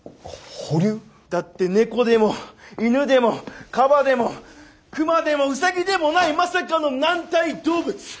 だって猫でも犬でもカバでもクマでもウサギでもないまさかの軟体動物！